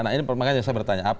nah ini saya bertanya